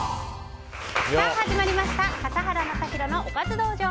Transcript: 始まりました笠原将弘のおかず道場。